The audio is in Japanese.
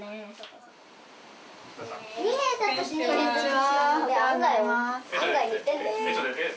こんにちは。